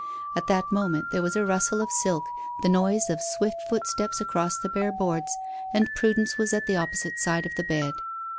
At that moment there was a rustle of silk, the noise of swift footsteps across the bare boards, and Prudence was at the opposite side of the bed.